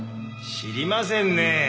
知りませんねぇ。